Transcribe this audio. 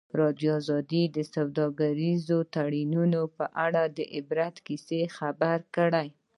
ازادي راډیو د سوداګریز تړونونه په اړه د عبرت کیسې خبر کړي.